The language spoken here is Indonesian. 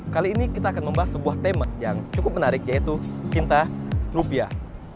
kali ini kita akan membahas sebuah tema yang cukup menarik yaitu cinta rupiah